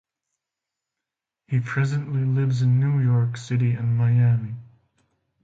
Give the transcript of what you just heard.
He presently lives in New York City and Miami.